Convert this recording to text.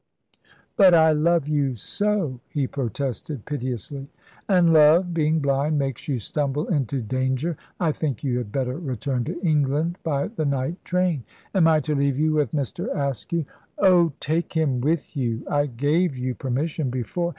"But I love you so," he protested piteously. "And love, being blind, makes you stumble into danger. I think you had better return to England by the night train." "Am I to leave you with Mr. Askew?" "Oh, take him with you; I gave you permission before.